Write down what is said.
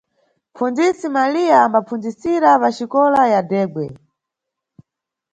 Mʼpfundzisi Maliya ambapfundzisira paxikola ya Dhegwe.